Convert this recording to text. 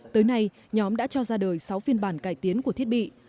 tới nay nhóm đã cho ra đời sáu phiên bản cải tiến của thiết bị